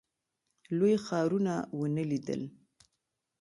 لوی ښارونه ونه لیدل.